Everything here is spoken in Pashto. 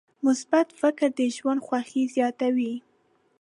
مثبت فکر د ژوند خوښي زیاتوي.